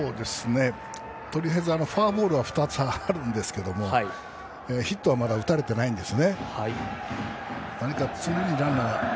とりあえずフォアボールは２つあるんですけどもヒットはまだ打たれてないんです。